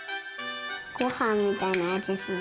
ごはんみたいなあじする。